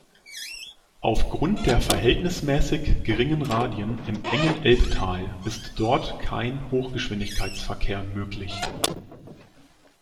Aufgrund der verhältnismäßig geringen Radien im engen Elbtal ist dort kein Hochgeschwindigkeitsverkehr möglich.